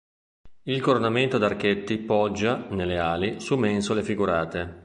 Il coronamento ad archetti poggia, nelle ali, su mensole figurate.